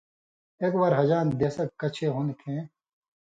اېک وار حجَاں دېسہۡ کَچھے ہُون٘دہۡ کھیں